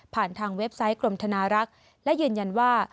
ทางเว็บไซต์กรมธนารักษ์และยืนยันว่า